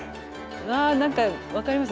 わ何か分かります。